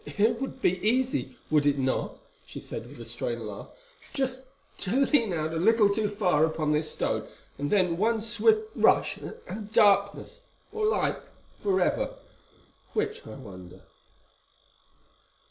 "It would be easy, would it not," she said, with a strained laugh, "just to lean out a little too far upon this stone, and then one swift rush and darkness—or light—for ever—which, I wonder?"